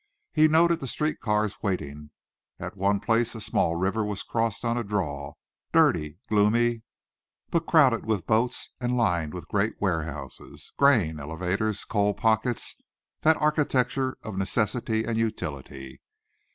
He noted the streetcars waiting; at one place a small river was crossed on a draw, dirty, gloomy, but crowded with boats and lined with great warehouses, grain elevators, coal pockets that architecture of necessity and utility.